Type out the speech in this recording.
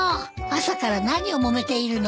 朝から何をもめているの？